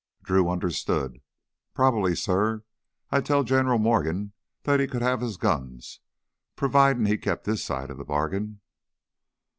Drew understood. "Probably, suh, I'd tell General Morgan that he could have his guns, providin' he kept his side of the bargain."